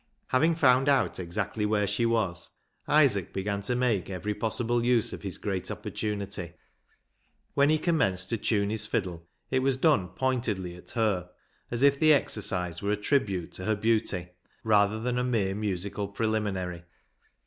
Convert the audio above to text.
Having found out exactly where she was, Isaac began to make every possible use of his great opportunity. When he commenced to tune his fiddle, it was done pointedly at her, as 254 BECKSIDE LIGHTS if the exercise were a tribute to her beauty, rather than a mere musical preliminary.